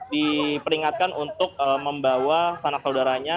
diperingatkan untuk membawa sanak saudaranya